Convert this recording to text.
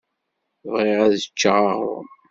Bɣiɣ ad ččeɣ aɣṛum.